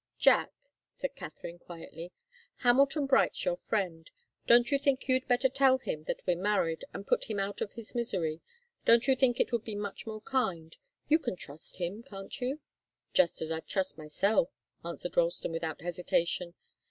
"Jack," said Katharine, quietly, "Hamilton Bright's your friend. Don't you think you'd better tell him that we're married, and put him out of his misery? Don't you think it would be much more kind? You can trust him, can't you?" "Just as I'd trust myself," answered Ralston, without hesitation.